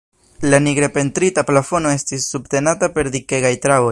La nigre pentrita plafono estis subtenata per dikegaj traboj.